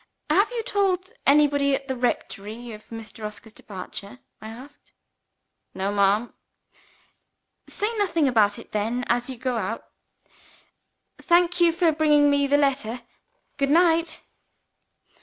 "Have you told anybody at the rectory of Mr. Oscar's departure?" I asked. "No, ma'am." "Say nothing, about it then, as you go out. Thank you for bringing me the letter. Good night."